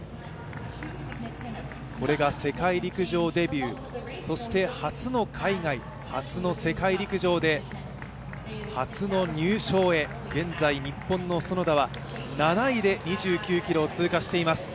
これが世界陸上デビュー、そして初の海外、初の世界陸上で初の入賞へ、現在、日本の園田は７位で２９ｋｍを通過しています。